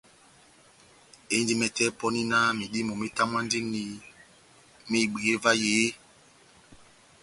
Endi mɛtɛ pɔni náh medímo metamwandini mehibweye vahe eeeh ?